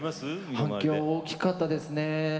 反響、大きかったですね。